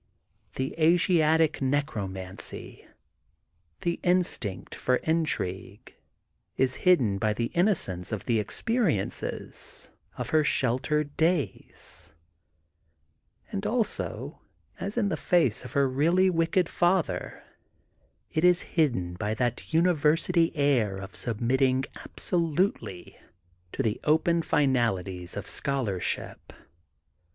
The Asiatic necromancy, the instinct for intri gue, is hidden by the innocence of the experi ences of her sheltered days, and also, as in the face of her really wicked father, it is hid den by that University air of submitting ab solutely to the open finalities of scholarship.